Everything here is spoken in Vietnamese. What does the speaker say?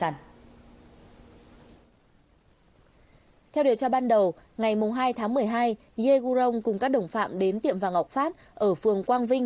ngày hai tháng một mươi hai ye gurong cùng các đồng phạm đến tiệm vàng ngọc phát ở phường quang vinh